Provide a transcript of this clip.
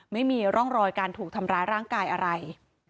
ไม่มีร่องรอยการถูกทำร้ายร่างกายอะไร